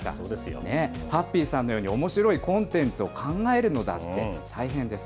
ハッピーさんのように、おもしろいコンテンツを考えるのだって大変です。